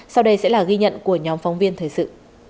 sau đây sẽ là ghi nhận của nhóm phóng viên thời sự